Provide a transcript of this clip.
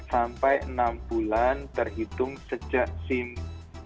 sampai enam bulan terhitung sejak simp